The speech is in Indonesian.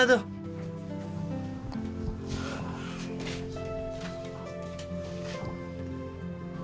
dapet dari mana